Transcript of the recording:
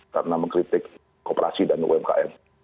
karena mengkritik kooperasi dan umkm